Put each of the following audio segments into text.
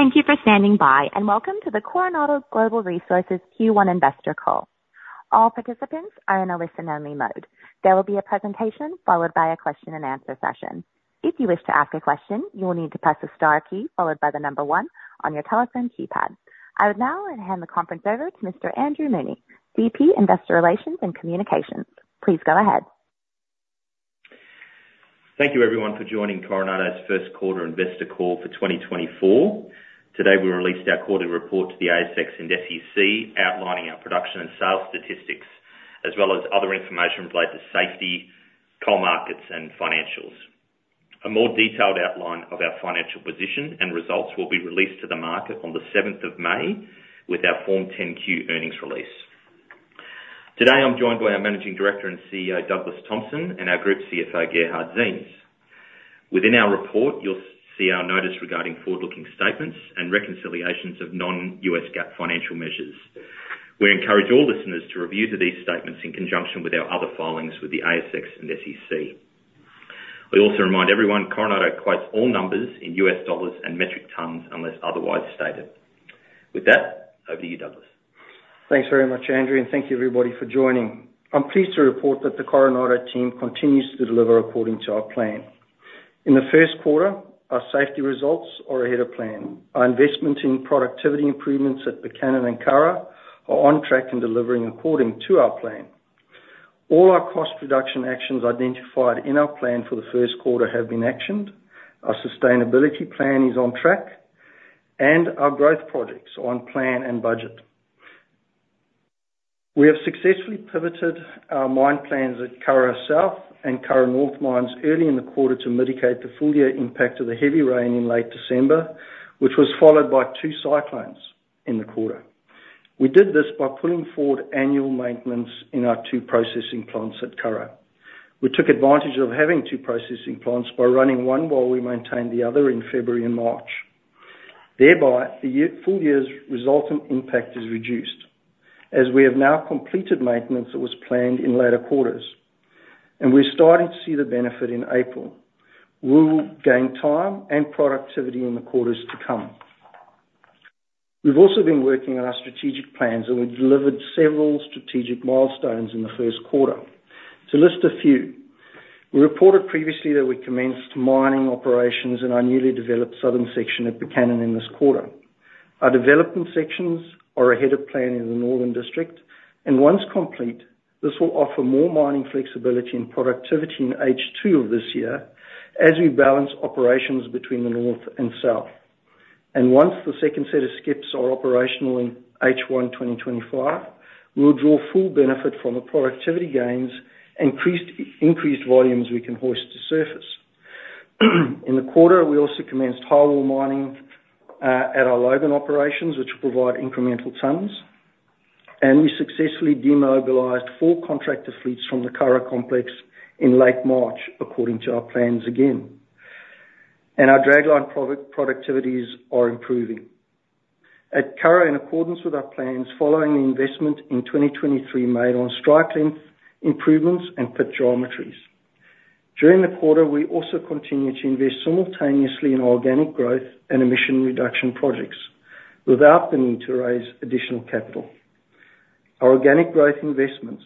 Thank you for standing by, and welcome to the Coronado Global Resources Q1 investor call. All participants are in a listen-only mode. There will be a presentation followed by a question-and-answer session. If you wish to ask a question, you will need to press the star key followed by the number one on your telephone keypad. I would now hand the conference over to Mr. Andrew Mooney, VP, Investor Relations and Communications. Please go ahead. Thank you, everyone, for joining Coronado's first quarter investor call for 2024. Today, we released our quarterly report to the ASX and SEC, outlining our production and sales statistics, as well as other information related to safety, coal markets, and financials. A more detailed outline of our financial position and results will be released to the market on the seventh of May with our Form 10-Q earnings release. Today, I'm joined by our Managing Director and CEO, Douglas Thompson, and our Group CFO, Gerhard Ziems. Within our report, you'll see our notice regarding forward-looking statements and reconciliations of non-US GAAP financial measures. We encourage all listeners to review these statements in conjunction with our other filings with the ASX and SEC. We also remind everyone, Coronado quotes all numbers in US dollars and metric tons unless otherwise stated. With that, over to you, Douglas. Thanks very much, Andrew, and thank you, everybody, for joining. I'm pleased to report that the Coronado team continues to deliver according to our plan. In the first quarter, our safety results are ahead of plan. Our investment in productivity improvements at Buchanan and Curragh are on track and delivering according to our plan. All our cost reduction actions identified in our plan for the first quarter have been actioned, our sustainability plan is on track, and our growth projects are on plan and budget. We have successfully pivoted our mine plans at Curragh South and Curragh North mines early in the quarter to mitigate the full year impact of the heavy rain in late December, which was followed by two cyclones in the quarter. We did this by pulling forward annual maintenance in our two processing plants at Curragh. We took advantage of having two processing plants by running one while we maintained the other in February and March. Thereby, the full-year's resultant impact is reduced, as we have now completed maintenance that was planned in later quarters, and we're starting to see the benefit in April. We will gain time and productivity in the quarters to come. We've also been working on our strategic plans, and we've delivered several strategic milestones in the first quarter. To list a few, we reported previously that we commenced mining operations in our newly developed southern section at Buchanan in this quarter. Our development sections are ahead of plan in the northern district, and once complete, this will offer more mining flexibility and productivity in H2 of this year as we balance operations between the north and south. Once the second set of skips are operational in H1 2025, we'll draw full benefit from the productivity gains, increased, increased volumes we can hoist to surface. In the quarter, we also commenced highwall mining at our Logan operations, which will provide incremental tons, and we successfully demobilized four contractor fleets from the Curragh complex in late March, according to our plans again. Our dragline productivities are improving at Curragh, in accordance with our plans, following the investment in 2023 made on strike length improvements and pit geometries. During the quarter, we also continued to invest simultaneously in organic growth and emission reduction projects without the need to raise additional capital. Our organic growth investments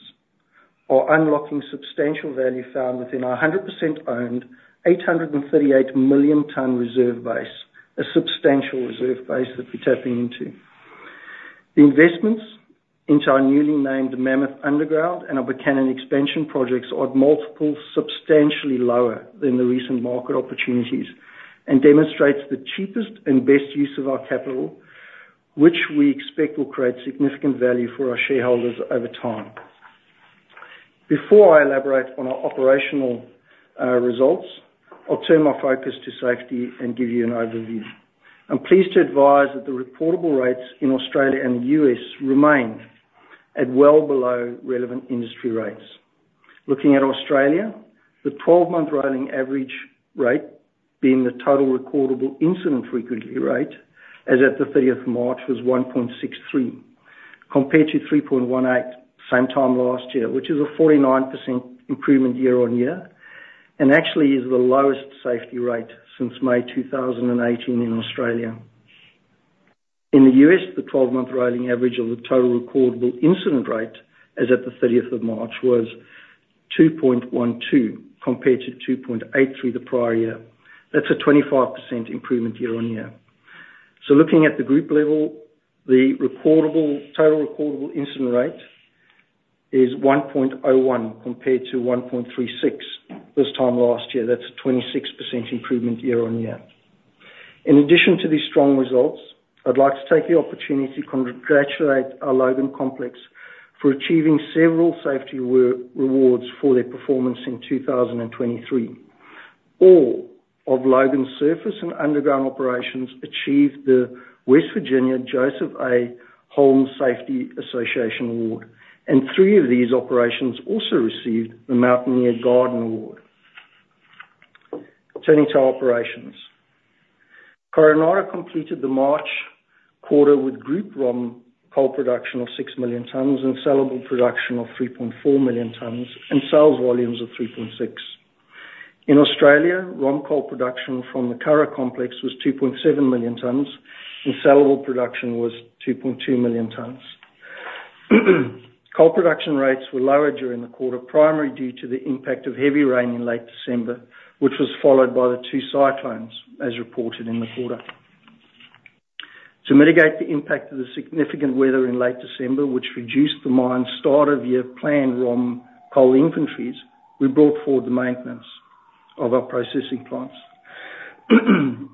are unlocking substantial value found within our 100% owned, 838 million ton reserve base, a substantial reserve base that we're tapping into. The investments into our newly named Mammoth Underground and our Buchanan expansion projects are at multiples substantially lower than the recent market opportunities and demonstrates the cheapest and best use of our capital, which we expect will create significant value for our shareholders over time. Before I elaborate on our operational results, I'll turn my focus to safety and give you an overview. I'm pleased to advise that the reportable rates in Australia and the U.S. remain at well below relevant industry rates. Looking at Australia, the 12-month rolling average rate being the total recordable incident frequency rate, as at the 30th of March, was 1.63, compared to 3.18 same time last year, which is a 49% improvement year-on-year, and actually is the lowest safety rate since May 2018 in Australia. In the US, the 12-month rolling average of the total recordable incident rate, as at the 30th of March, was 2.12, compared to 2.8 through the prior year. That's a 25% improvement year on year. So looking at the group level, the reportable, total recordable incident rate is 1.01, compared to 1.36 this time last year. That's a 26% improvement year on year. In addition to these strong results, I'd like to take the opportunity to congratulate our Logan Complex for achieving several safety rewards for their performance in 2023. All of Logan's surface and underground operations achieved the West Virginia Joseph A. Holmes Safety Association Award, and three of these operations also received the Mountaineer Guardian Award. Turning to our operations. Coronado completed the March quarter with group ROM coal production of 6 million tons and saleable production of 3.4 million tons and sales volumes of 3.6. In Australia, raw coal production from the Curragh Complex was 2.7 million tons, and saleable production was 2.2 million tons. Coal production rates were lower during the quarter, primarily due to the impact of heavy rain in late December, which was followed by the two cyclones, as reported in the quarter. To mitigate the impact of the significant weather in late December, which reduced the mine's start-of-year planned raw coal inventories, we brought forward the maintenance of our processing plants.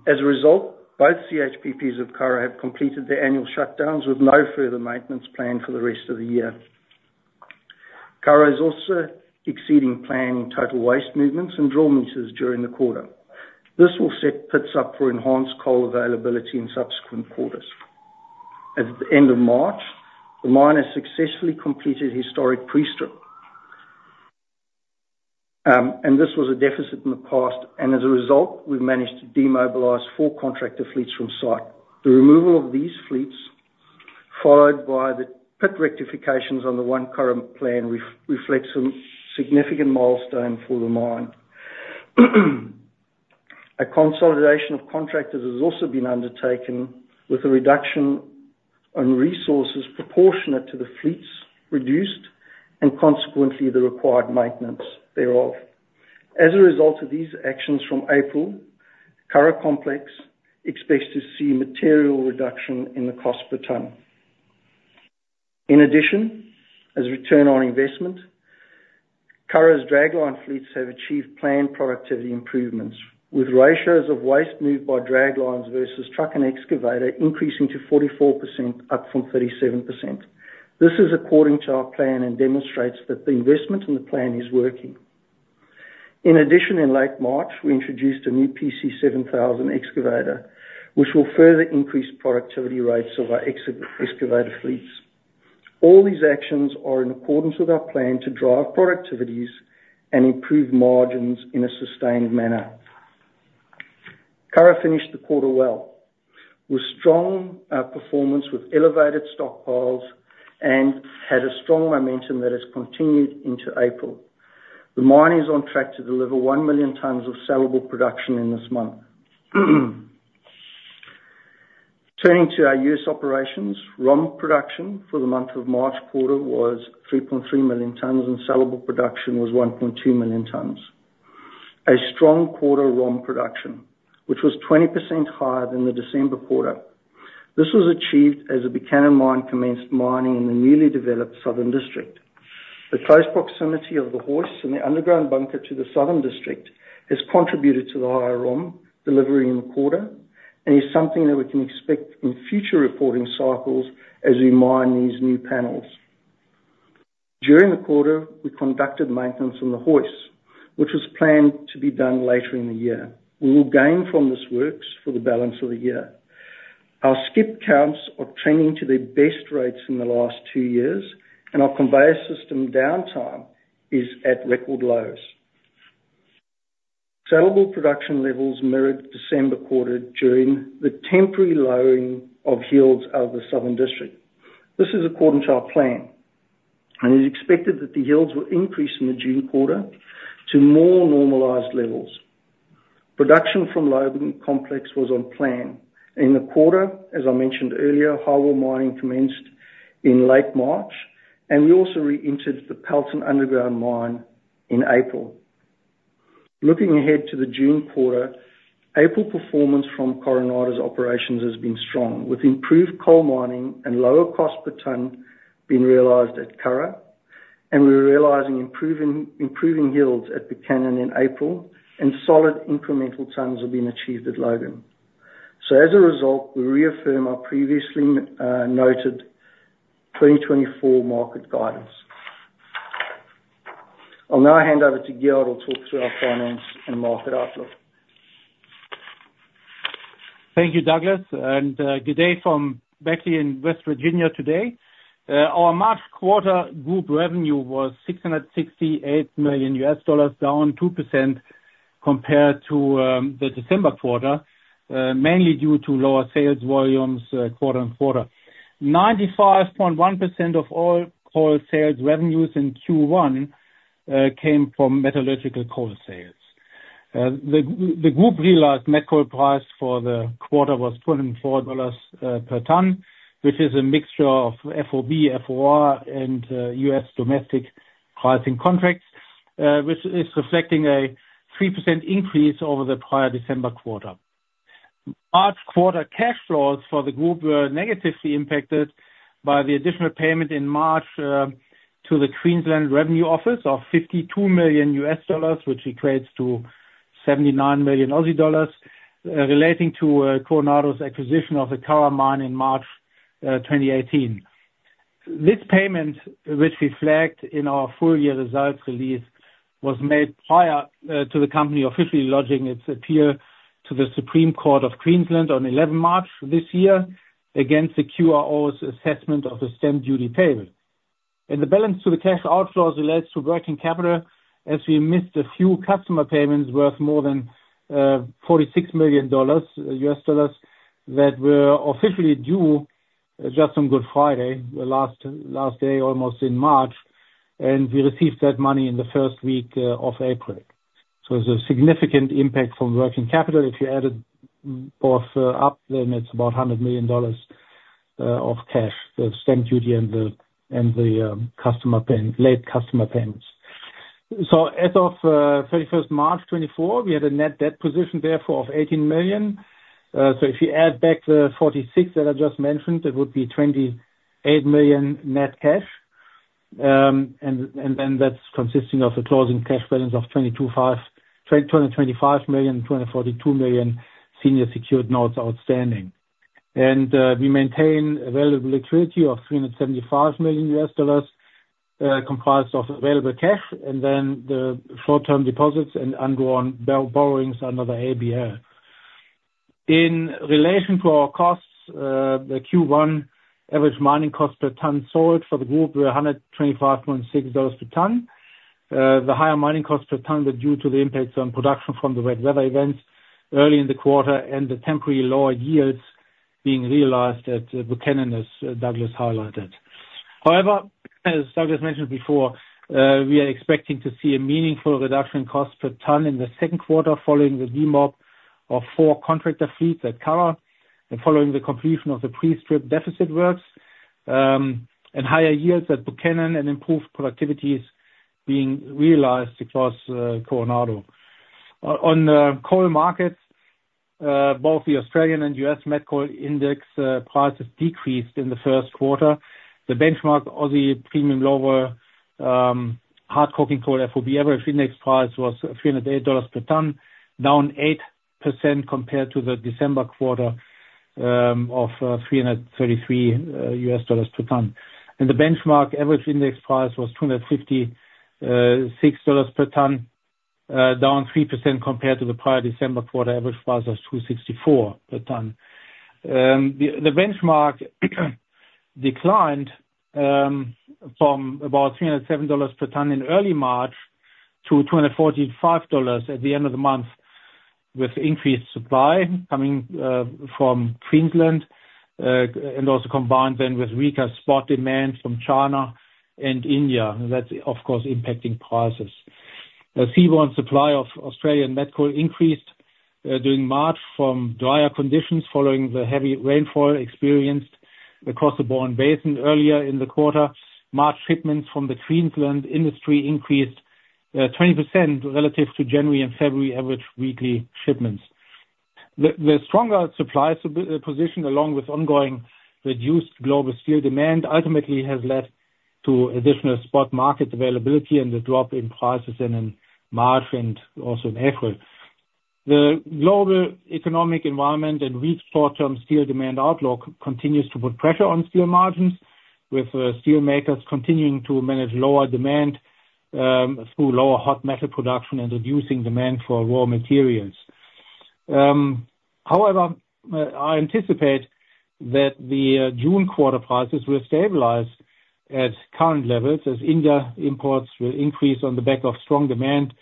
As a result, both CHPPs of Curragh have completed their annual shutdowns with no further maintenance planned for the rest of the year. Curragh is also exceeding plan in total waste movements and drill meters during the quarter. This will set pits up for enhanced coal availability in subsequent quarters. At the end of March, the mine has successfully completed historic pre-strip, and this was a deficit in the past, and as a result, we've managed to demobilize four contractor fleets from site. The removal of these fleets, followed by the pit rectifications on the One Curragh Plan, reflects a significant milestone for the mine. A consolidation of contractors has also been undertaken, with a reduction on resources proportionate to the fleets reduced and consequently, the required maintenance thereof. As a result of these actions from April, Curragh Complex expects to see material reduction in the cost per ton. In addition, as return on investment, Curragh's dragline fleets have achieved planned productivity improvements, with ratios of waste moved by draglines versus truck and excavator increasing to 44%, up from 37%. This is according to our plan and demonstrates that the investment in the plan is working. In addition, in late March, we introduced a new PC7000 excavator, which will further increase productivity rates of our excavator fleets. All these actions are in accordance with our plan to drive productivities and improve margins in a sustained manner. Curragh finished the quarter well, with strong performance, with elevated stockpiles and had a strong momentum that has continued into April. The mine is on track to deliver 1 million tons of saleable production in this month. Turning to our U.S. operations, raw production for the month of March quarter was 3.3 million tons, and saleable production was 1.2 million tons. A strong quarter raw production, which was 20% higher than the December quarter. This was achieved as the Buchanan Mine commenced mining in the newly developed southern district. The close proximity of the hoist and the underground bunker to the southern district has contributed to the higher raw delivery in the quarter and is something that we can expect in future reporting cycles as we mine these new panels. During the quarter, we conducted maintenance on the hoist, which was planned to be done later in the year. We will gain from this works for the balance of the year. Our skip counts are trending to their best rates in the last two years, and our conveyor system downtime is at record lows. Saleable production levels mirrored December quarter during the temporary lowering of yields out of the southern district. This is according to our plan, and it is expected that the yields will increase in the June quarter to more normalized levels. Production from Logan Complex was on plan. In the quarter, as I mentioned earlier, highwall mining commenced in late March, and we also reentered the Pelton Underground Mine in April. Looking ahead to the June quarter, April performance from Coronado's operations has been strong, with improved coal mining and lower cost per ton being realized at Curragh, and we're realizing improving yields at Buchanan in April, and solid incremental tons have been achieved at Logan. So as a result, we reaffirm our previously noted 2024 market guidance. I'll now hand over to Gerhard, who'll talk through our finance and market outlook. Thank you, Douglas, and good day from Beckley in West Virginia today. Our March quarter group revenue was $668 million, down 2% compared to the December quarter, mainly due to lower sales volumes quarter-on-quarter. 95.1% of all coal sales revenues in Q1 came from metallurgical coal sales. The group realized net coal price for the quarter was $204 per ton, which is a mixture of FOB, FOR, and U.S. domestic pricing contracts, which is reflecting a 3% increase over the prior December quarter. March quarter cash flows for the group were negatively impacted by the additional payment in March to the Queensland Revenue Office of $52 million, which equates to 79 million Aussie dollars, relating to Coronado's acquisition of the Curragh Mine in March 2018. This payment, which we flagged in our full year results release, was made prior to the company officially lodging its appeal to the Supreme Court of Queensland on 11 March this year, against the QRO's assessment of the stamp duty payment. The balance to the cash outflows relates to working capital, as we missed a few customer payments worth more than $46 million that were officially due just on Good Friday, the last day, almost in March, and we received that money in the first week of April. So it's a significant impact from working capital. If you added both up, then it's about $100 million of cash, the stamp duty and the late customer payments. So as of 31 March 2024, we had a net debt position therefore of $18 million. So if you add back the $46 million that I just mentioned, it would be $28 million net cash. And then that's consisting of a closing cash balance of $225 million, $242 million senior secured notes outstanding. And we maintain available liquidity of $375 million, comprised of available cash, and then the short-term deposits and ongoing borrowings under the ABL. In relation to our costs, the Q1 average mining cost per ton sold for the group were $125.6 per ton. The higher mining cost per ton were due to the impacts on production from the wet weather events early in the quarter, and the temporary lower yields being realized at Buchanan, as Douglas highlighted. However, as Douglas mentioned before, we are expecting to see a meaningful reduction in cost per ton in the second quarter, following the demob of four contractor fleets at Curragh, and following the completion of the pre-strip deficit works, and higher yields at Buchanan, and improved productivities being realized across Coronado. On coal markets, both the Australian and U.S. met coal index prices decreased in the first quarter. The benchmark Aussie Premium Low Vol Coking Coal FOB average index price was $308 per ton, down 8% compared to the December quarter of $333 per ton. The benchmark average index price was $256 per ton, down 3% compared to the prior December quarter average price of $264 per ton. The benchmark declined from about $307 per ton in early March to $245 at the end of the month, with increased supply coming from Queensland and also combined then with weaker spot demand from China and India. That's of course impacting prices. The seaborne supply of Australian met coal increased during March from drier conditions, following the heavy rainfall experienced across the Bowen Basin earlier in the quarter. March shipments from the Queensland industry increased 20% relative to January and February average weekly shipments. The stronger supply-side position, along with ongoing reduced global steel demand, ultimately has led to additional spot market availability and the drop in prices in March and also in April. The global economic environment and weak short-term steel demand outlook continues to put pressure on steel margins, with steel makers continuing to manage lower demand through lower hot metal production and reducing demand for raw materials. However, I anticipate that the June quarter prices will stabilize at current levels as India imports will increase on the back of strong demand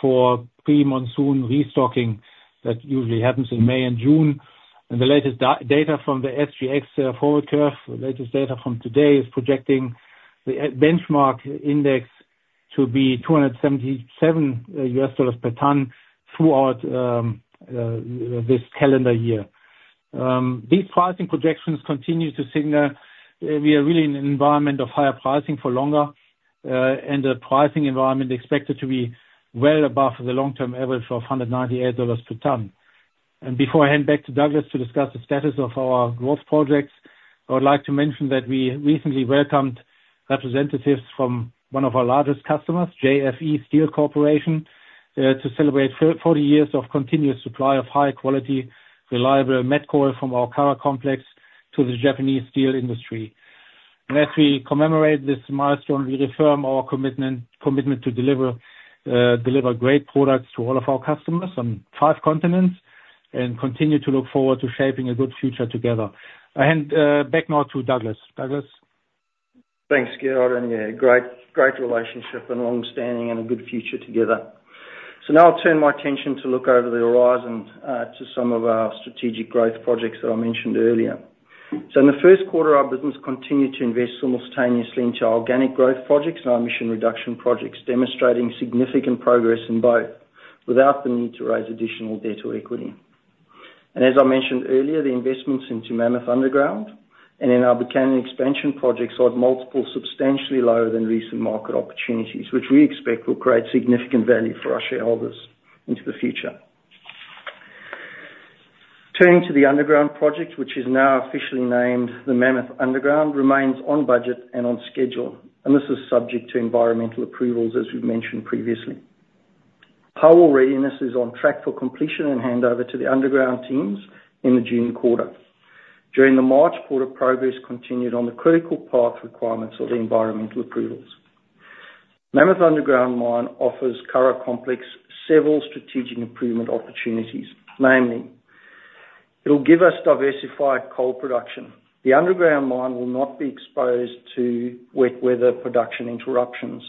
for pre-monsoon restocking. That usually happens in May and June, and the latest data from the SGX forward curve, the latest data from today, is projecting the benchmark index to be $277 per ton throughout this calendar year. These pricing projections continue to signal we are really in an environment of higher pricing for longer, and a pricing environment expected to be well above the long-term average of $198 per ton. Before I hand back to Douglas to discuss the status of our growth projects, I would like to mention that we recently welcomed representatives from one of our largest customers, JFE Steel Corporation, to celebrate 40 years of continuous supply of high quality, reliable met coal from our Curragh complex to the Japanese steel industry. As we commemorate this milestone, we reaffirm our commitment to deliver great products to all of our customers on five continents, and continue to look forward to shaping a good future together. I hand back now to Douglas. Douglas? Thanks, Gerhard, and yeah, great, great relationship and long-standing and a good future together. So now I'll turn my attention to look over the horizon to some of our strategic growth projects that I mentioned earlier. So in the first quarter, our business continued to invest simultaneously into organic growth projects and our emission reduction projects, demonstrating significant progress in both, without the need to raise additional debt or equity. And as I mentioned earlier, the investments into Mammoth Underground and in our Buchanan expansion projects are at multiple, substantially lower than recent market opportunities, which we expect will create significant value for our shareholders into the future. Turning to the underground project, which is now officially named the Mammoth Underground, remains on budget and on schedule, and this is subject to environmental approvals, as we've mentioned previously. Power readiness is on track for completion and handover to the underground teams in the June quarter. During the March quarter, progress continued on the critical path requirements of the environmental approvals. Mammoth Underground Mine offers Curragh Complex several strategic improvement opportunities, mainly: it'll give us diversified coal production. The underground mine will not be exposed to wet weather production interruptions,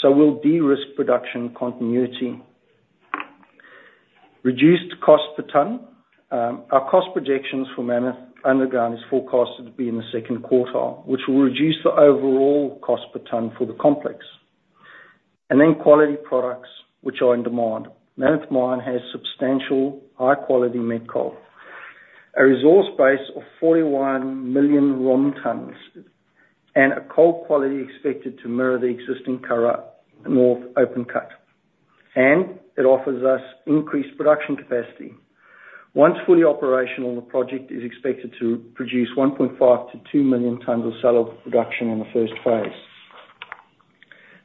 so we'll de-risk production continuity. Reduced cost per ton. Our cost projections for Mammoth Underground is forecasted to be in the second quarter, which will reduce the overall cost per ton for the complex. And then quality products which are in demand. Mammoth Mine has substantial high quality met coal, a resource base of 41 million tons, and a coal quality expected to mirror the existing Curragh North open cut, and it offers us increased production capacity. Once fully operational, the project is expected to produce 1.5 million-2 million tons of saleable production in the first phase.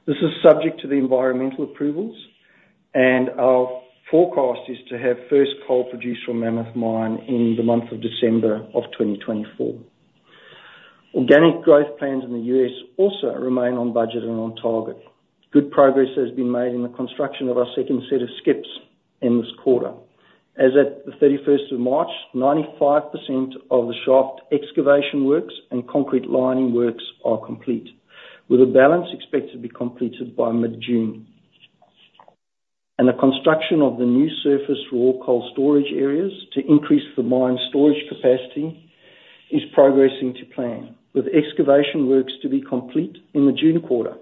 This is subject to the environmental approvals, and our forecast is to have first coal produced from Mammoth Mine in the month of December 2024. Organic growth plans in the U.S. also remain on budget and on target. Good progress has been made in the construction of our second set of skips in this quarter. As at the 31st of March, 95% of the shaft excavation works and concrete lining works are complete, with a balance expected to be completed by mid-June. The construction of the new surface raw coal storage areas to increase the mine storage capacity is progressing to plan, with excavation works to be complete in the June quarter,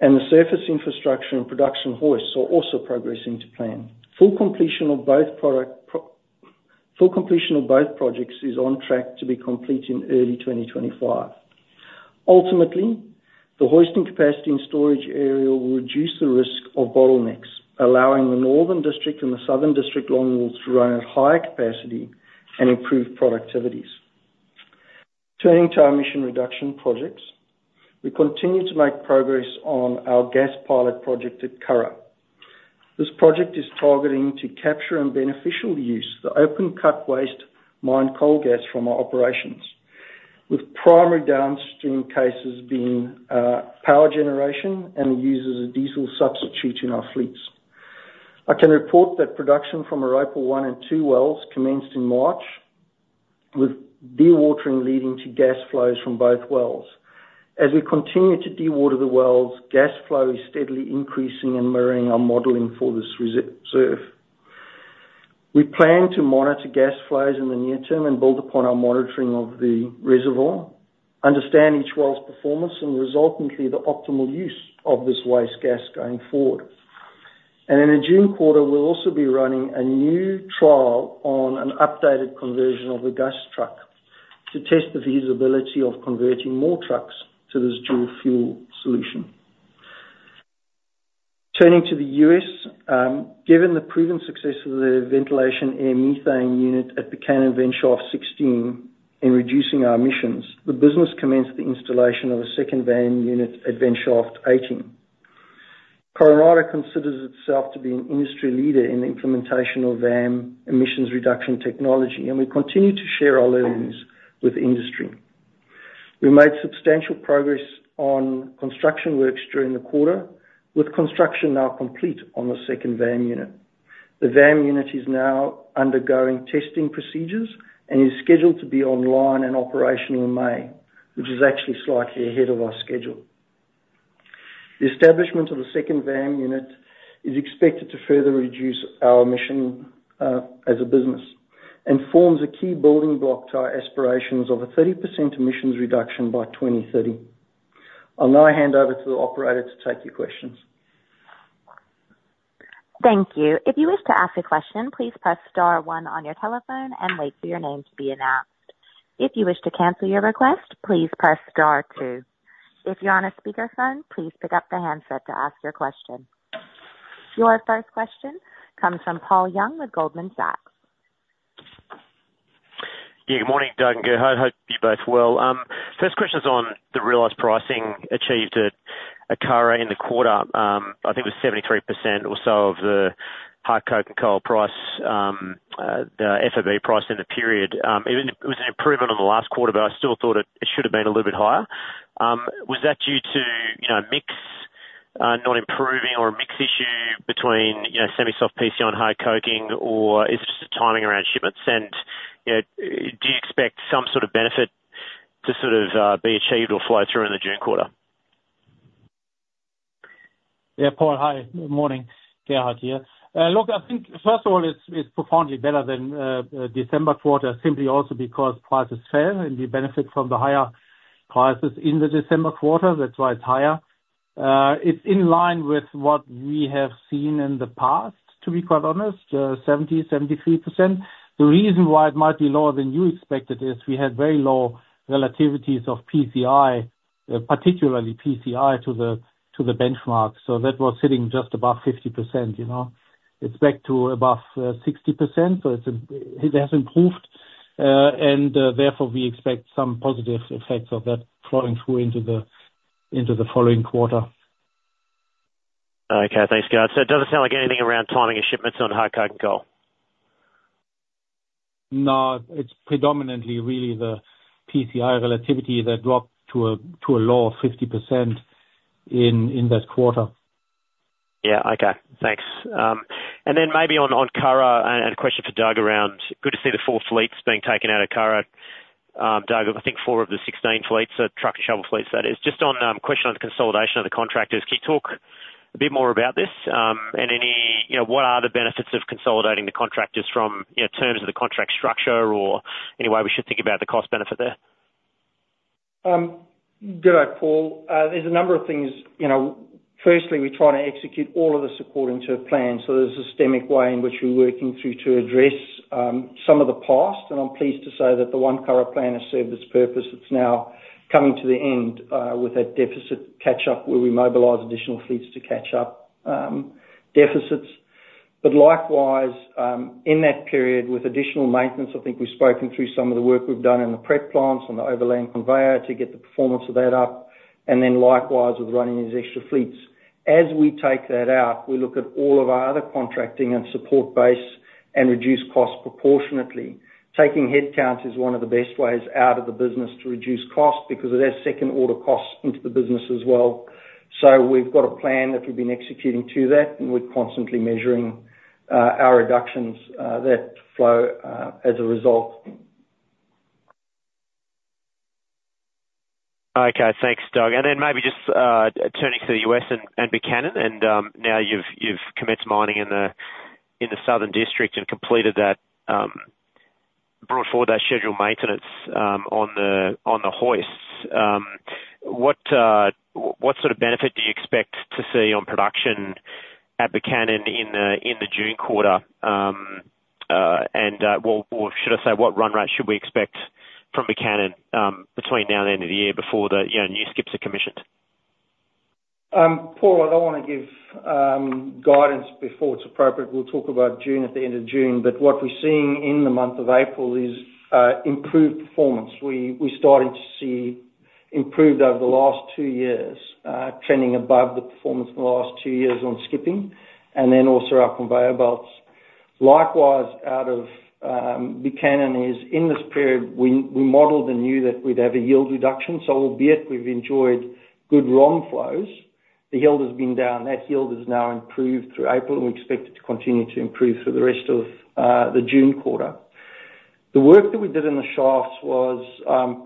and the surface infrastructure and production hoists are also progressing to plan. Full completion of both projects is on track to be complete in early 2025. Ultimately, the hoisting capacity and storage area will reduce the risk of bottlenecks, allowing the Northern District and the Southern District longwalls to run at higher capacity and improve productivities. Turning to our emission reduction projects, we continue to make progress on our gas pilot project at Curragh. This project is targeting to capture and beneficial use the open cut waste mine coal gas from our operations, with primary downstream cases being power generation and used as a diesel substitute in our fleets. I can report that production from Europa 1 and 2 wells commenced in March, with dewatering leading to gas flows from both wells. As we continue to dewater the wells, gas flow is steadily increasing and mirroring our modeling for this reserve. We plan to monitor gas flows in the near term and build upon our monitoring of the reservoir, understand each well's performance and resultantly, the optimal use of this waste gas going forward. In the June quarter, we'll also be running a new trial on an updated conversion of a gas truck to test the feasibility of converting more trucks to this dual fuel solution. Turning to the U.S., given the proven success of the ventilation air methane unit at Buchanan Vent Shaft 16 in reducing our emissions, the business commenced the installation of a second VAM unit at Vent Shaft 18. Coronado considers itself to be an industry leader in the implementation of VAM emissions reduction technology, and we continue to share our learnings with industry. We made substantial progress on construction works during the quarter, with construction now complete on the second VAM unit. The VAM unit is now undergoing testing procedures and is scheduled to be online and operational in May, which is actually slightly ahead of our schedule. The establishment of the second VAM unit is expected to further reduce our emission as a business and forms a key building block to our aspirations of a 30% emissions reduction by 2030. I'll now hand over to the operator to take your questions. Thank you. If you wish to ask a question, please press star one on your telephone and wait for your name to be announced. If you wish to cancel your request, please press star two. If you're on a speakerphone, please pick up the handset to ask your question. Your first question comes from Paul Young with Goldman Sachs. Yeah, good morning, Doug and Gerhard. Hope you're both well. First question is on the realized pricing achieved at Curragh in the quarter. I think it was 73% or so of the high coking coal price, the FOB price in the period. It was an improvement on the last quarter, but I still thought it should have been a little bit higher. Was that due to, you know, mix not improving or a mix issue between, you know, semi-soft PCI and high coking, or is it just the timing around shipments? And, you know, do you expect some sort of benefit to sort of be achieved or flow through in the June quarter? Yeah, Paul, hi. Morning. Gerhard here. Look, I think first of all, it's profoundly better than the December quarter, simply also because prices fell, and we benefit from the higher prices in the December quarter. That's why it's higher. It's in line with what we have seen in the past, to be quite honest, 73%. The reason why it might be lower than you expected is we had very low relativities of PCI, particularly PCI, to the benchmark. So that was sitting just above 50%, you know. It's back to above 60%, so it has improved, and therefore, we expect some positive effects of that flowing through into the following quarter. Okay. Thanks, Gerhard. So it doesn't sound like anything around timing and shipments on high coking coal? No, it's predominantly really the PCI relativity that dropped to a low of 50% in that quarter. Yeah. Okay, thanks. And then maybe on Curragh, and a question for Doug around good to see the full fleets being taken out of Curragh. Doug, I think four of the 16 fleets, so truck and shovel fleets, that is. Just on question on the consolidation of the contractors. Can you talk a bit more about this? And any, you know, what are the benefits of consolidating the contractors from, you know, terms of the contract structure or any way we should think about the cost benefit there? Good day, Paul. There's a number of things. You know, firstly, we're trying to execute all of the support into a plan, so there's a systemic way in which we're working through to address some of the past, and I'm pleased to say that the one current plan has served its purpose. It's now coming to the end with a deficit catch-up, where we mobilize additional fleets to catch up deficits. But likewise, in that period, with additional maintenance, I think we've spoken through some of the work we've done in the prep plants and the overland conveyor to get the performance of that up, and then likewise with running these extra fleets. As we take that out, we look at all of our other contracting and support base and reduce costs proportionately. Taking headcounts is one of the best ways out of the business to reduce costs, because it adds second-order costs into the business as well. So we've got a plan that we've been executing to that, and we're constantly measuring our reductions that flow as a result. Okay. Thanks, Doug. And then maybe just, turning to the U.S. and, and Buchanan, and, now you've commenced mining in the southern district and completed that, brought forward that scheduled maintenance, on the hoists. What sort of benefit do you expect to see on production at Buchanan in the June quarter? And, well, or should I say, what run rate should we expect from Buchanan, between now and the end of the year before the, you know, new skips are commissioned? Paul, I don't wanna give guidance before it's appropriate. We'll talk about June at the end of June, but what we're seeing in the month of April is improved performance. We're starting to see improved over the last two years, trending above the performance in the last two years on skipping, and then also our conveyor belts. Likewise, out of Buchanan is, in this period, we modeled and knew that we'd have a yield reduction, so albeit we've enjoyed good ROM flows, the yield has been down. That yield has now improved through April. We expect it to continue to improve through the rest of the June quarter. The work that we did in the shafts was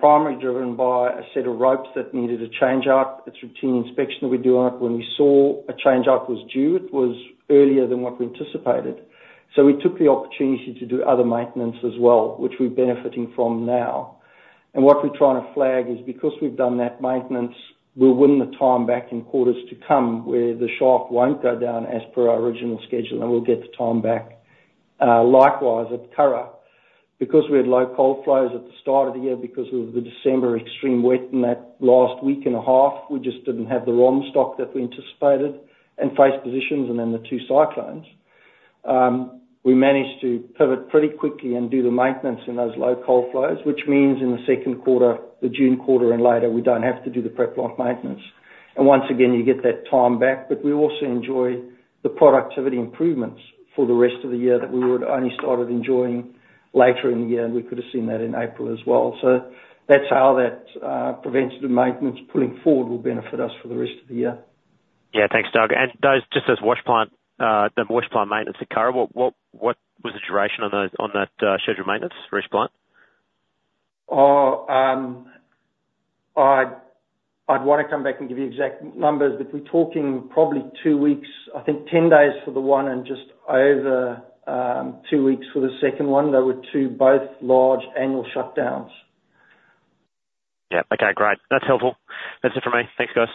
primarily driven by a set of ropes that needed a change-out. It's routine inspection that we do on it. When we saw a change-out was due, it was earlier than what we anticipated. So we took the opportunity to do other maintenance as well, which we're benefiting from now. And what we're trying to flag is, because we've done that maintenance, we'll win the time back in quarters to come, where the shaft won't go down as per our original schedule, and we'll get the time back. Likewise, at Curragh, because we had low coal flows at the start of the year because of the December extreme wet in that last week and a half, we just didn't have the ROM stock that we anticipated and face positions, and then the two cyclones. We managed to pivot pretty quickly and do the maintenance in those low coal flows, which means in the second quarter, the June quarter and later, we don't have to do the prep life maintenance. And once again, you get that time back, but we also enjoy the productivity improvements for the rest of the year that we would only started enjoying later in the year, and we could have seen that in April as well. So that's how that, preventative maintenance pulling forward will benefit us for the rest of the year. Yeah, thanks, Doug. And those, just those wash plant, the wash plant maintenance at Curragh, what was the duration on those, on that, scheduled maintenance for wash plant? I'd wanna come back and give you exact numbers, but we're talking probably two weeks, I think 10 days for the one and just over two weeks for the second one. They were two both large annual shutdowns. Yeah. Okay, great. That's helpful. That's it for me. Thanks, guys.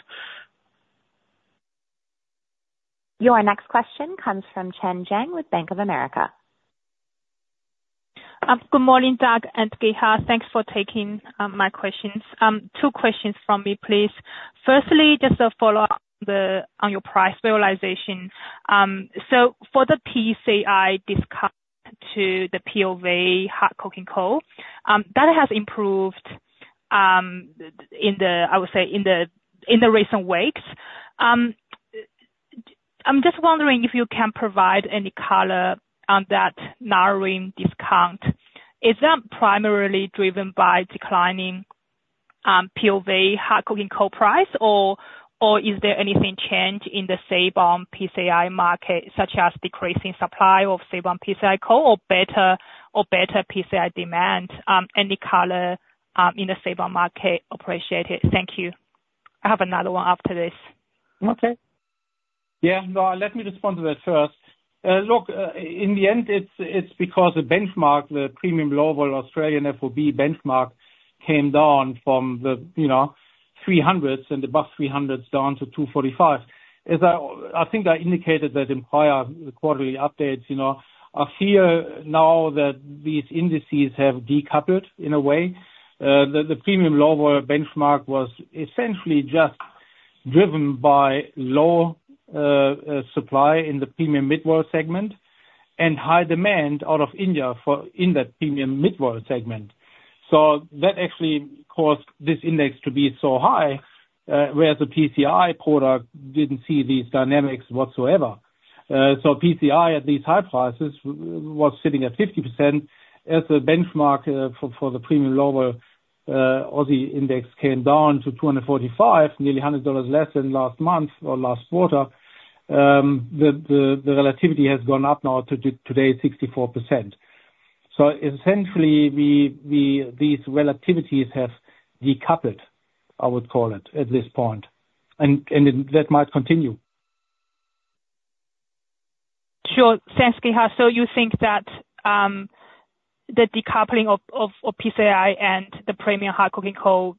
Your next question comes from Chen Jiang with Bank of America. Good morning, Doug and Gerhard. Thanks for taking my questions. Two questions from me, please. Firstly, just a follow-up on the, on your price realization. So for the PCI discount to the premium hard coking coal, that has improved in the, I would say, in the recent weeks. I'm just wondering if you can provide any color on that narrowing discount. Is that primarily driven by declining premium hard coking coal price, or is there anything change in the seaborne PCI market, such as decreasing supply of seaborne PCI coal, or better PCI demand, any color in the seaborne market? Appreciate it. Thank you. I have another one after this. Okay. Yeah. No, let me respond to that first. Look, in the end, it's because the benchmark, the premium global Australian FOB benchmark, came down from the, you know, $300s, and above $300s, down to $245. As I think I indicated that in prior quarterly updates, you know, I fear now that these indices have decoupled in a way. The premium global benchmark was essentially just driven by low supply in the Premium Mid Vol segment and high demand out of India for in that Premium Mid Vol segment. So that actually caused this index to be so high, whereas the PCI product didn't see these dynamics whatsoever. So PCI, at these high prices, was sitting at 50% as the benchmark, for the premium global Aussie index came down to $245, nearly $100 less than last month or last quarter. The relativity has gone up now to today, 64%. So essentially, we these relativities have decoupled, I would call it, at this point, and that might continue. Sure. Thanks, Gerhard. So you think that the decoupling of PCI and the premium hard coking coal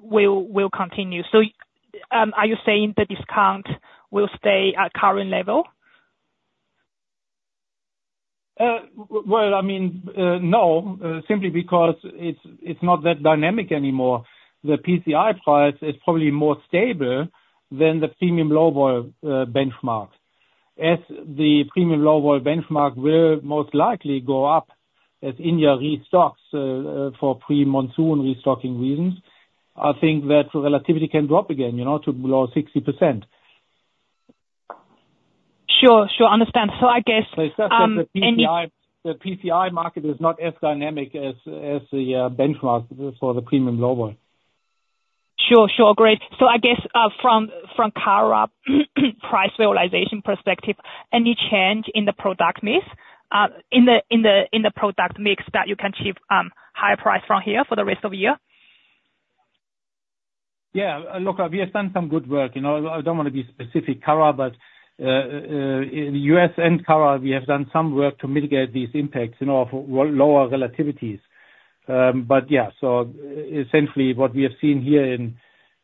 will continue? So, are you saying the discount will stay at current level? Well, I mean, no, simply because it's not that dynamic anymore. The PCI price is probably more stable than the premium global benchmark. As the premium global benchmark will most likely go up as India restocks for pre-monsoon restocking reasons, I think that relativity can drop again, you know, to below 60%. Sure, sure, understand. So I guess, any- The PCI, the PCI market is not as dynamic as the benchmark for the premium global. Sure, sure. Great. So I guess, from a price realization perspective, any change in the product mix that you can achieve, higher price from here for the rest of the year? Yeah. Look, we have done some good work. You know, I don't wanna be specific, Curragh, but in the U.S. and Curragh, we have done some work to mitigate these impacts, you know, of lower relativities. But yeah, so essentially what we have seen here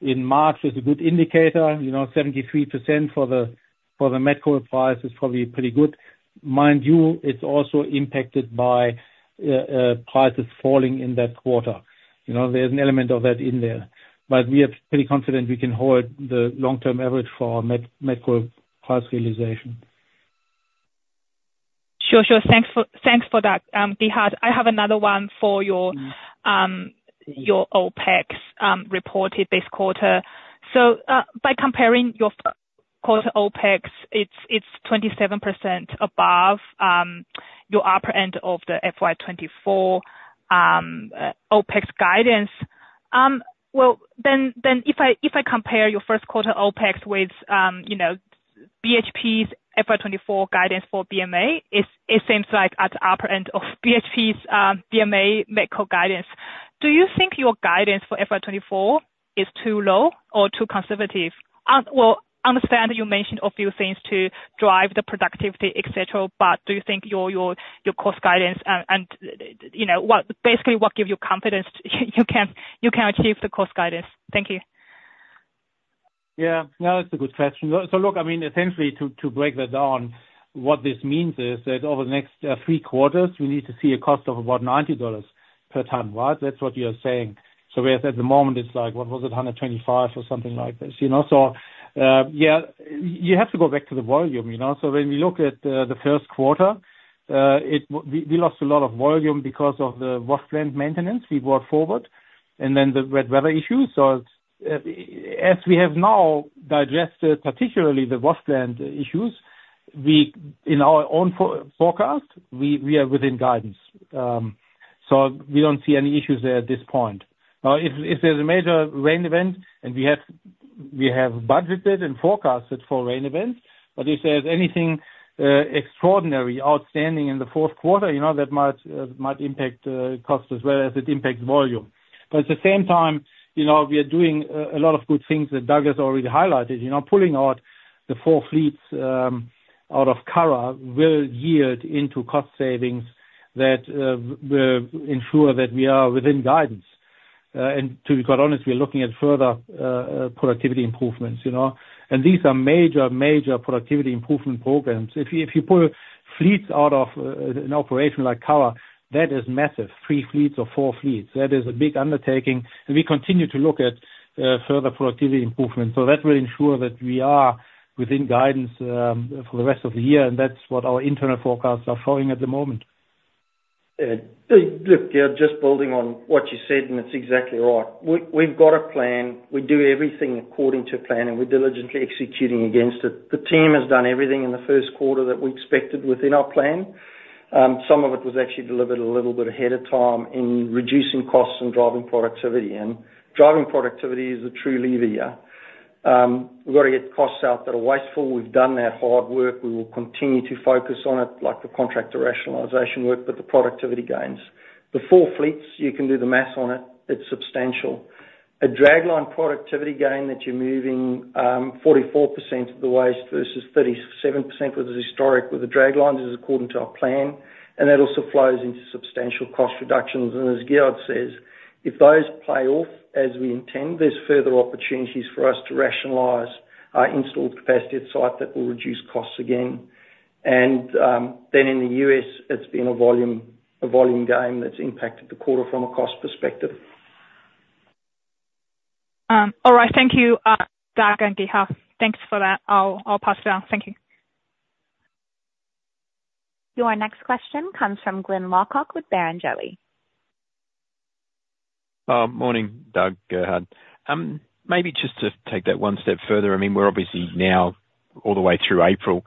in March is a good indicator. You know, 73% for the met coal price is probably pretty good. Mind you, it's also impacted by prices falling in that quarter. You know, there's an element of that in there. But we are pretty confident we can hold the long-term average for met coal price realization. Sure, sure. Thanks for, thanks for that, Gerhard. I have another one for your OPEX reported this quarter. So, by comparing your first quarter OPEX, it's 27% above your upper end of the FY 2024 OPEX guidance. Well, then if I compare your first quarter OPEX with, you know, BHP's FY 2024 guidance for BMA, it seems like at the upper end of BHP's BMA met coal guidance. Do you think your guidance for FY 2024 is too low or too conservative? Well, understand you mentioned a few things to drive the productivity, et cetera, but do you think your cost guidance and, you know, what basically gives you confidence you can achieve the cost guidance? Thank you. Yeah. No, it's a good question. So, look, I mean, essentially to break that down, what this means is that over the next three quarters, we need to see a cost of about $90 per ton, right? That's what you're saying. So whereas at the moment it's like, what was it? $125 or something like this, you know. So, yeah, you have to go back to the volume, you know. So when we look at the first quarter, we lost a lot of volume because of the wash plant maintenance we brought forward, and then the wet weather issues. So, as we have now digested, particularly the wash plant issues, we in our own forecast, we are within guidance. So we don't see any issues there at this point. Now, if there's a major rain event, and we have budgeted and forecasted for rain events, but if there's anything extraordinary, outstanding in the fourth quarter, you know, that might impact cost as well as it impacts volume. But at the same time, you know, we are doing a lot of good things that Doug has already highlighted, you know, pulling out the four fleets out of Curragh will yield into cost savings that will ensure that we are within guidance. And to be quite honest, we are looking at further productivity improvements, you know, and these are major, major productivity improvement programs. If you pull fleets out of an operation like Curragh, that is massive, three fleets or four fleets. That is a big undertaking, and we continue to look at further productivity improvements. So that will ensure that we are within guidance for the rest of the year, and that's what our internal forecasts are showing at the moment. Look, yeah, just building on what you said, and it's exactly right. We've got a plan. We do everything according to plan, and we're diligently executing against it. The team has done everything in the first quarter that we expected within our plan. Some of it was actually delivered a little bit ahead of time in reducing costs and driving productivity, and driving productivity is a true lever here. We've got to get costs out that are wasteful. We've done that hard work. We will continue to focus on it, like the contractor rationalization work, but the productivity gains. The four fleets, you can do the math on it, it's substantial. A dragline productivity gain that you're moving 44% of the waste versus 37% with the historic, with the draglines, is according to our plan, and that also flows into substantial cost reductions. As Gerhard says, if those play off as we intend, there's further opportunities for us to rationalize our installed capacity at site that will reduce costs again. Then in the U.S., it's been a volume game that's impacted the quarter from a cost perspective. All right. Thank you, Doug and Gerhard. Thanks for that. I'll pass it on. Thank you. Your next question comes from Glyn Lawcock with Barrenjoey. Morning, Doug, Gerhard. Maybe just to take that one step further, I mean, we're obviously now all the way through April.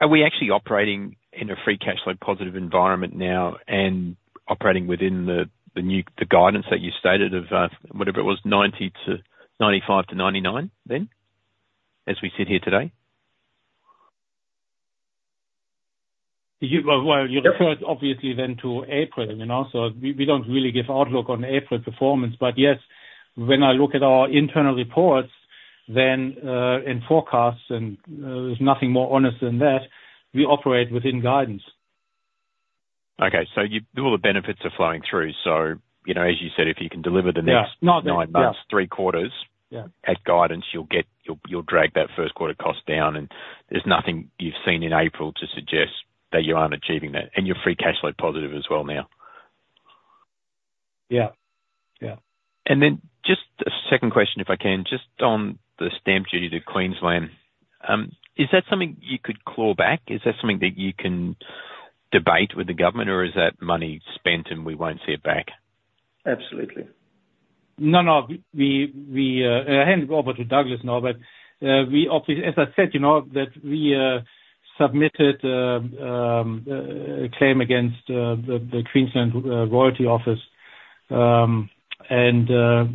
Are we actually operating in a free cash flow positive environment now and operating within the new guidance that you stated of whatever it was, 90 to 95 to 99 then, as we sit here today? You, well, well, you refer obviously then to April, you know, so we, we don't really give outlook on April performance. But yes, when I look at our internal reports, then, and forecasts, and, there's nothing more honest than that, we operate within guidance. Okay. So you—all the benefits are flowing through, so, you know, as you said, if you can deliver the next- Yeah. Nine months, three quarters. Yeah. At guidance, you'll get, you'll drag that first quarter cost down, and there's nothing you've seen in April to suggest that you aren't achieving that, and you're free cash flow positive as well now. Yeah. Yeah. And then just a second question, if I can. Just on the stamp duty to Queensland, is that something you could claw back? Is that something that you can debate with the government, or is that money spent and we won't see it back? Absolutely. No, no, I hand over to Douglas now, but, as I said, you know, that we submitted a claim against the Queensland Revenue Office, and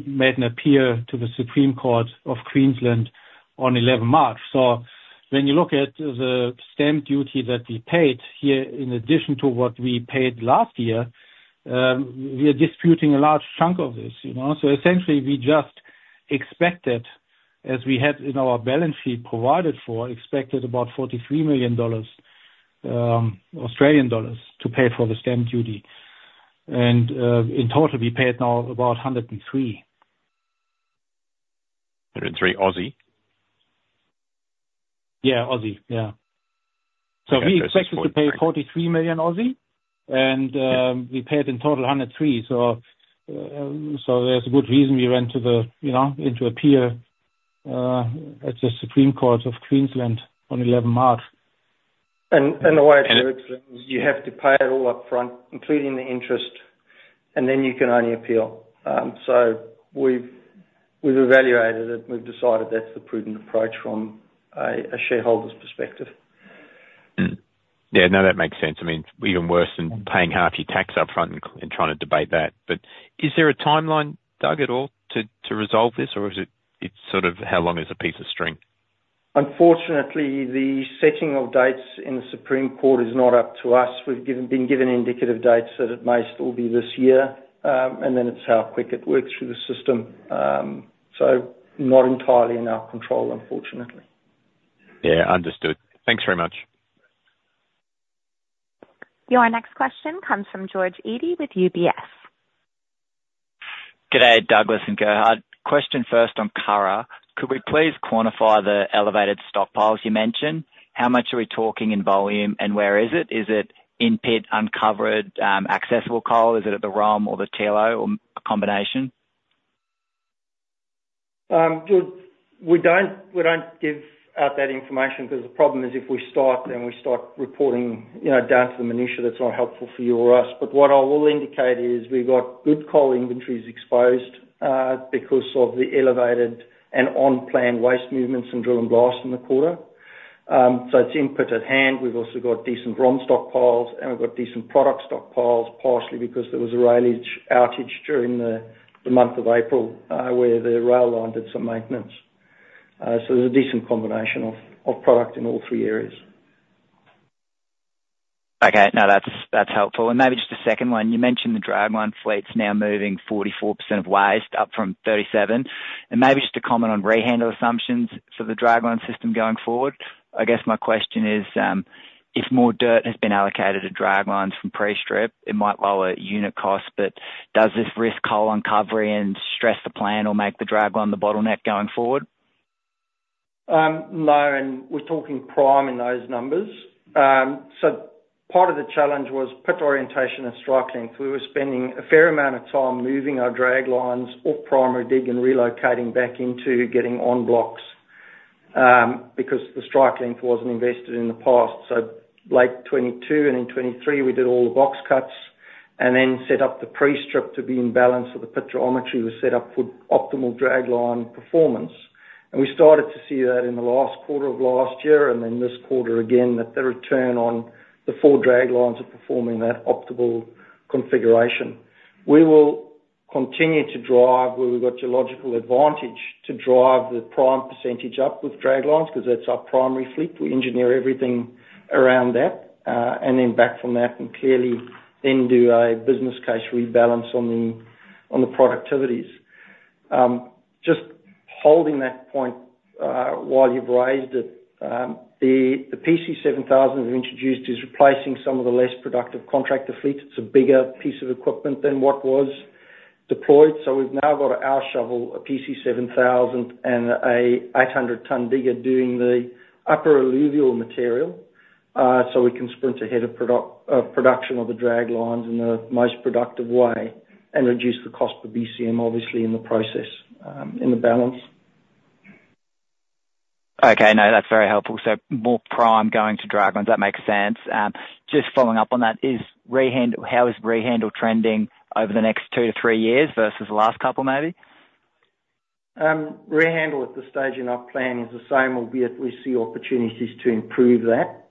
made an appeal to the Supreme Court of Queensland on 11th March. So when you look at the stamp duty that we paid here, in addition to what we paid last year, we are disputing a large chunk of this, you know? So essentially, we just expected, as we had in our balance sheet, provided for, expected about 43 million Australian dollars, Australian dollars, to pay for the stamp duty. In total, we paid now about 103 million. 103 million? Yeah, Aussie, yeah. Okay. So we expected to pay 43 million, and, we paid in total 103 million. So, so there's a good reason we went to the, you know, in to appeal, at the Supreme Court of Queensland on 11 March. The way it works is you have to pay it all up front, including the interest, and then you can only appeal. So we've evaluated it, and we've decided that's the prudent approach from a shareholder's perspective. Mm-hmm. Yeah, no, that makes sense. I mean, even worse than paying half your tax up front and trying to debate that. But is there a timeline, Doug, at all, to resolve this? Or is it, it's sort of how long is a piece of string? Unfortunately, the setting of dates in the Supreme Court is not up to us. We've been given indicative dates that it may still be this year, and then it's how quick it works through the system. Not entirely in our control, unfortunately. Yeah. Understood. Thanks very much. Your next question comes from George Eadie with UBS. G'day, Douglas and Gerhard. Question first on Curragh. Could we please quantify the elevated stockpiles you mentioned? How much are we talking in volume, and where is it? Is it in pit, uncovered, accessible coal? Is it at the ROM or the TLO or a combination? George, we don't, we don't give out that information, because the problem is, if we start, then we start reporting, you know, down to the minutiae, that's not helpful for you or us. But what I will indicate is, we've got good coal inventories exposed, because of the elevated and on-plan waste movements in drill and blast in the quarter. So it's input at hand. We've also got decent ROM stockpiles, and we've got decent product stockpiles, partially because there was a railage outage during the, the month of April, where the rail line did some maintenance. So there's a decent combination of, of product in all three areas. Okay. No, that's, that's helpful. And maybe just a second one. You mentioned the dragline fleet's now moving 44% of waste, up from 37%. And maybe just to comment on rehandle assumptions for the dragline system going forward. I guess my question is, if more dirt has been allocated to draglines from pre-strip, it might lower unit cost, but does this risk coal uncovery and stress the plan or make the dragline the bottleneck going forward? No, and we're talking prime in those numbers. So part of the challenge was pit orientation and strike length. We were spending a fair amount of time moving our draglines or primary dig and relocating back into getting on blocks, because the strike length wasn't invested in the past. So late 2022 and in 2023, we did all the box cuts and then set up the pre-strip to be in balance, so the pit geometry was set up for optimal dragline performance. And we started to see that in the last quarter of last year, and then this quarter again, that the return on the four draglines are performing that optimal configuration. We will continue to drive, where we've got geological advantage, to drive the prime percentage up with draglines, 'cause that's our primary fleet. We engineer everything around that, and then back from that, and clearly then do a business case rebalance on the productivities. Just holding that point, while you've raised it, the PC7000 we introduced is replacing some of the less productive contractor fleet. It's a bigger piece of equipment than what was deployed. So we've now got an hour shovel, a PC7000, and a 800-ton digger doing the upper alluvial material, so we can sprint ahead of production of the draglines in the most productive way and reduce the cost per BCM, obviously, in the process, in the balance. Okay. No, that's very helpful. So more prime going to draglines. That makes sense. Just following up on that, how is rehandle trending over the next two to three years versus the last couple, maybe? Rehandle at this stage in our plan is the same, albeit we see opportunities to improve that.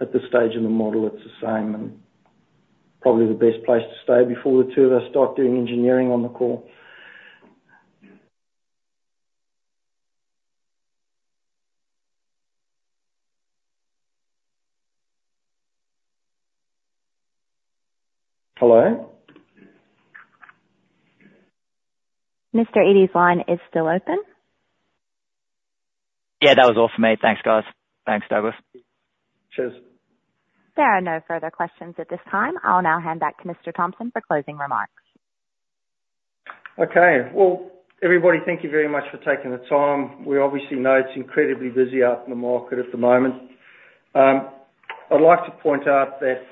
At this stage in the model, it's the same, and probably the best place to stay before the two of us start doing engineering on the call. Hello? Mr. Eadie's line is still open. Yeah, that was all for me. Thanks, guys. Thanks, Douglas. Cheers. There are no further questions at this time. I'll now hand back to Mr. Thompson for closing remarks. Okay. Well, everybody, thank you very much for taking the time. We obviously know it's incredibly busy out in the market at the moment. I'd like to point out that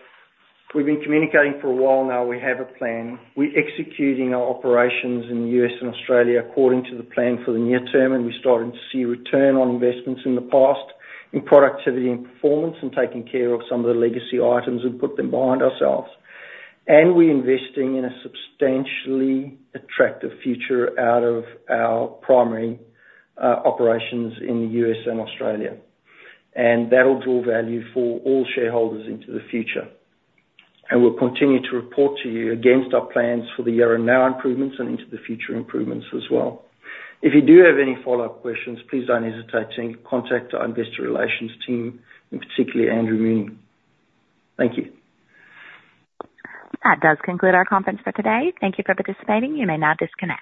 we've been communicating for a while now. We have a plan. We're executing our operations in the U.S. and Australia according to the plan for the near term, and we're starting to see return on investments in the past, in productivity and performance, and taking care of some of the legacy items and put them behind ourselves. And we're investing in a substantially attractive future out of our primary, operations in the U.S. and Australia, and that'll draw value for all shareholders into the future. And we'll continue to report to you against our plans for the year in now improvements and into the future improvements as well. If you do have any follow-up questions, please don't hesitate to contact our investor relations team, and particularly Andrew Mooney. Thank you. That does conclude our conference for today. Thank you for participating. You may now disconnect.